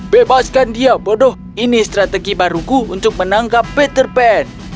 bebaskan dia bodoh ini strategi baruku untuk menangkap peter pan